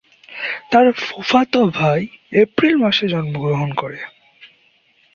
তার ফুফাতো ভাই এপ্রিল মাসে জন্মগ্রহণ করে।